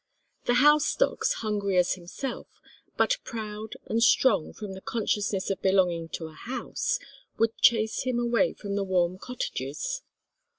The house dogs hungry as himself, but proud and strong from the consciousness of belonging to a house, would chase him away from the warm cottages.